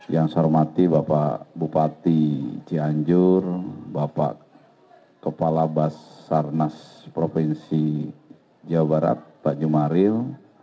yang saya hormati bapak bupati cianjur bapak kepala basarnas provinsi jawa barat pak jumaril